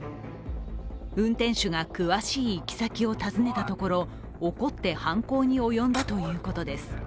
運転手が詳しい行き先を尋ねたところ怒って犯行に及んだということです。